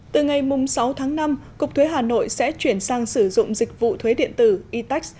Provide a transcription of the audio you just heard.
từ ngày sáu tháng năm cục thuế hà nội sẽ chuyển sang sử dụng dịch vụ thuế điện tử etex